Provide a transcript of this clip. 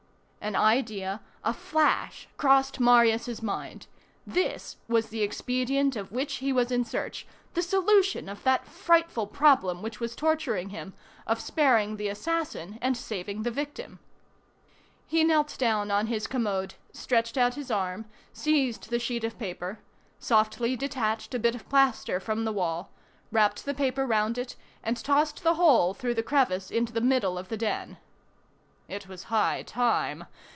An idea, a flash, crossed Marius' mind; this was the expedient of which he was in search, the solution of that frightful problem which was torturing him, of sparing the assassin and saving the victim. He knelt down on his commode, stretched out his arm, seized the sheet of paper, softly detached a bit of plaster from the wall, wrapped the paper round it, and tossed the whole through the crevice into the middle of the den. It was high time.